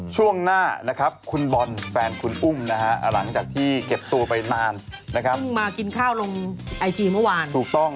ช่วงหน้าครับคุณบอลแฟนคุณอุ้มหลังจากที่เก็บตัวไปนาน